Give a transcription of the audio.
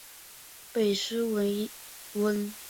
贝勒维涅。